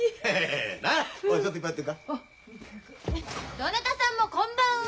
どなたさんもこんばんは！